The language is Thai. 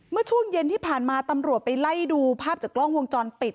เมื่อช่วงเย็นที่ผ่านมาตำรวจไปไล่ดูภาพจากกล้องวงจรปิด